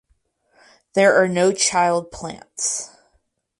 There are no child plants.